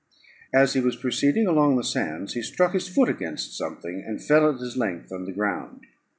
As he was proceeding along the sands, he struck his foot against something, and fell at his length on the ground.